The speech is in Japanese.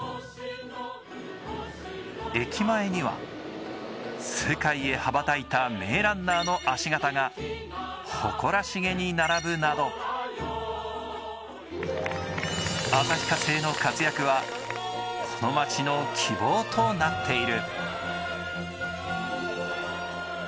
駅前には世界へ羽ばたいた名ランナーの足型が誇らしげに並ぶなど旭化成の活躍はこの街の希望となっている。